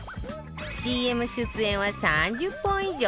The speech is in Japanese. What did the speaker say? ＣＭ出演は３０本以上。